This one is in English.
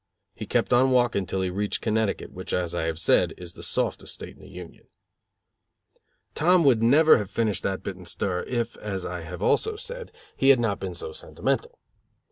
He kept on walking till he reached Connecticut, which, as I have said, is the softest state in the Union. Tom would never have finished that bit in stir, if, as I have also said, he had not been so sentimental.